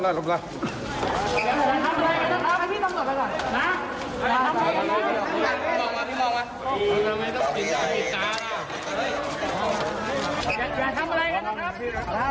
หลบไปหลบละหลบละ